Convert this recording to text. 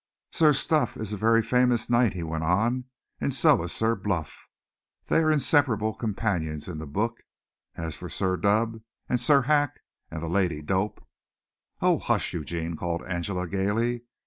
"Sir Stuff is a very famous Knight," he went on, "and so is Sir Bluff. They're inseparable companions in the book. As for Sir Dub and Sir Hack, and the Lady Dope " "Oh, hush, Eugene," called Angela gaily.